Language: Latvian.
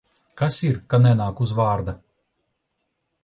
Kas ir, ka nenāk uz vārda?